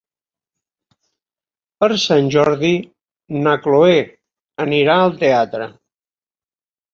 Per Sant Jordi na Chloé anirà al teatre.